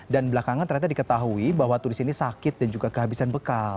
dan belakangan ternyata diketahui bahwa turis ini sakit dan juga kehabisan bekal